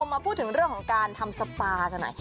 มาพูดถึงเรื่องของการทำสปากันหน่อย